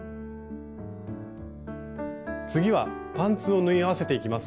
次はパンツを縫い合わせていきます。